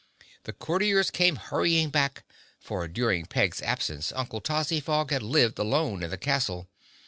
The Courtiers came hurrying back, for during Peg's absence Uncle Tozzyfog had lived alone in the castle.